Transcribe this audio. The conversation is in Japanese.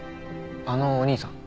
あのお兄さん？